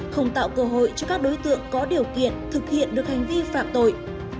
không tạo cơ hội cho các đối tượng có điều kiện thực hiện được hành vi phạm tội